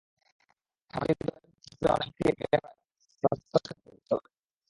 সামাজিক যোগাযোগ মাধ্যমে সক্রিয় নন, এমন ক্রিকেটার এখন আতশ কাচ দিয়ে খুঁজতে হবে।